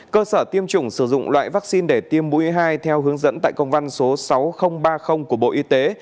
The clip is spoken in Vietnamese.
cơ sở tiêm chủng sử dụng loại vaccine để tiêm bui hai theo hướng dẫn tại công văn số sáu nghìn ba mươi của bộ y tế